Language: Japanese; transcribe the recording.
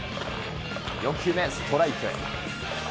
４球目、ストライク。